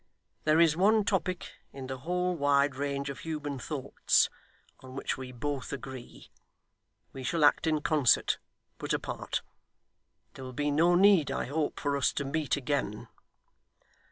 There is one topic in the whole wide range of human thoughts on which we both agree. We shall act in concert, but apart. There will be no need, I hope, for us to meet again.